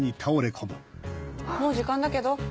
もう時間だけど？